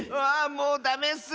もうダメッス！